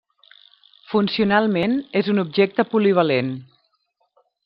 Funcionalment és un objecte polivalent.